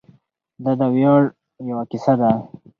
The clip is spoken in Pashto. دا د ویاړ یوه کیسه ده.